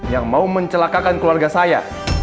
yang mau mencelakakan keluarga saya